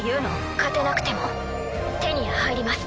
勝てなくても手に入ります。